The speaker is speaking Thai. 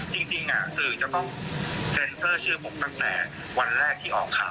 จริงสื่อจะต้องเซ็นเซอร์ชื่อผมตั้งแต่วันแรกที่ออกข่าว